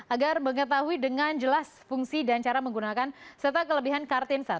agar mengetahui dengan jelas fungsi dan cara menggunakan serta kelebihan kartin sat